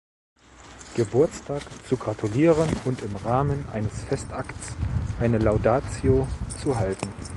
Geburtstag zu gratulieren und im Rahmen eines Festakts eine Laudatio zu halten.